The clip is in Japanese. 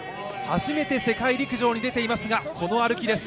初めて世界陸上に出ていますがこの歩きです。